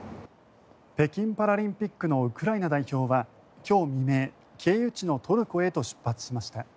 北京パラリンピックのウクライナ代表は今日未明経由地のトルコへと出発しました。